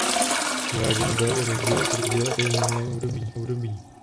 Uváděn byl i rozdíl proti stavu v minulém období.